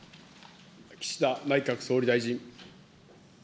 岸田内閣総理大臣。